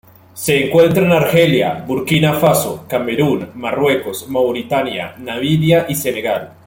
Se encuentra en Argelia, Burkina Faso, Camerún, Marruecos, Mauritania, Namibia y Senegal.